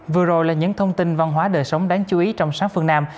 vừa rồi là những thông tin văn hóa đời sống đáng chú ý trong sáng phương nam